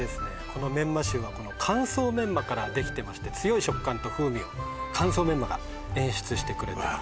このメンマ臭が乾燥メンマからできてまして強い食感と風味を乾燥メンマが演出してくれてます